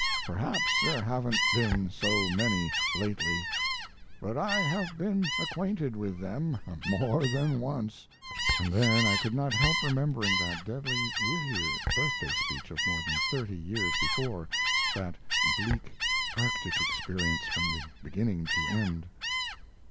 Perhaps there haven't been so many lately; but I have been acquainted with them more than once." And then I could not help remembering that deadly Whittier birthday speech of more than thirty years before that bleak, arctic experience from beginning to end.